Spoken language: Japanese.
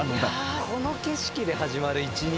この景色で始まる一日